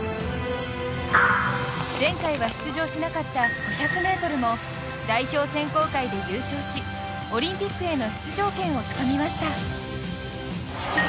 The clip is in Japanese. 前回は出場しなかった５００ｍも代表選考会で優勝しオリンピックへの出場権をつかみました。